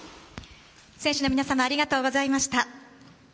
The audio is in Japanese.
選手の皆様ありがとうございました。